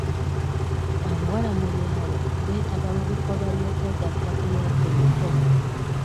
Abawala mu byalo beetaba mu bikolwa by'okwegatta ku myaka emito.